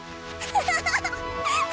ハハハハッ！